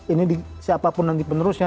ini siapapun nanti penerusnya